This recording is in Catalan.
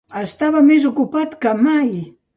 Estava més ocupat que mai!